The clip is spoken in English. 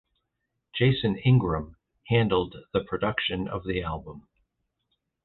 Jason Ingram handled the production of the album.